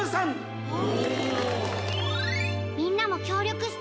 みんなもきょうりょくして。